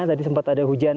tadi sempat ada hujan